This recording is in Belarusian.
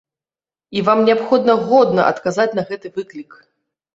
І вам неабходна годна адказаць на гэты выклік.